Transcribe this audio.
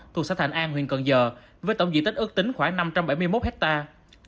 thuộc xã thành an huyện cần giờ với tổng diện tích ước tính khoảng năm trăm bảy mươi một hectare